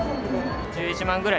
１１万ぐらい。